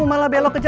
udah ngeri ngeri aja